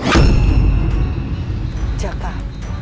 dan mendukung kejalan yang lebih baik